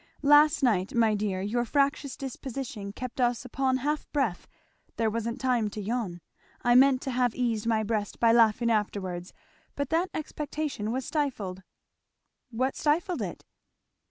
"Last night, my dear, your fractious disposition kept us upon half breath; there wasn't time to yawn. I meant to have eased my breast by laughing afterwards, but that expectation was stifled." "What stifled it?"